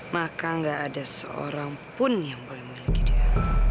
maka gak ada seorang pun yang boleh memiliki dia